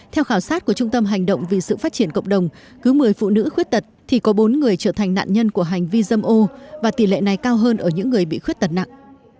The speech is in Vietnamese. theo khảo sát của trung tâm hành động vì sự phát triển cộng đồng cứ một mươi phụ nữ khuyết tật thì có bốn người trở thành nạn nhân của hành vi dâm ô và tỷ lệ này cao hơn ở những người bị khuyết tật nặng